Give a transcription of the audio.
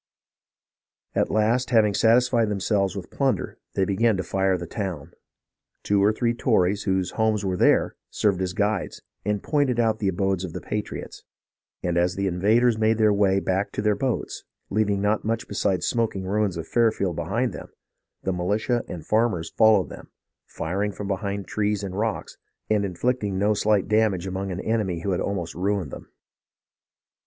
At last, having satisfied themselves with plunder, they began to fire the town. Two or three Tories, whose homes were there, served as guides, and pointed out the abodes of the patriots ; and as the invaders made their way back to their boats, leaving not much besides smoking ruins of Fairfield behind them, the militia and farmers followed them, firing from behind trees and rocks, and inflicting no slight damage upon an enemy who had almost ruined them.